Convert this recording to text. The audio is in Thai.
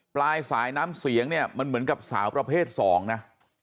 ปลายสายน้ำเสียงเนี่ยมันเหมือนกับสาวประเภท๒นะ